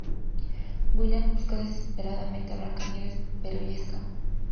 William busca desesperadamente a Blancanieves, pero ella escapa.